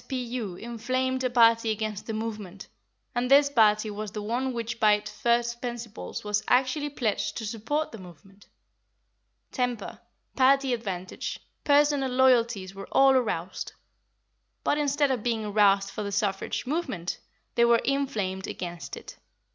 P.U. inflamed a party against the movement, and this party was the one which by its first principles was actually pledged to support the movement. Temper, party advantage, personal loyalties were all aroused; but, instead of being aroused for the suffrage movement, they were inflamed against it.